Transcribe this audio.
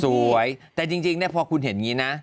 สวยแต่จริงเนี่ยพอคุณเห็นอย่างนี้นะ